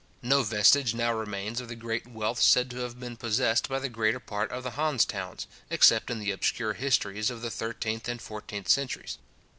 No vestige now remains of the great wealth said to have been possessed by the greater part of the Hanse Towns, except in the obscure histories of the thirteenth and fourteenth centuries.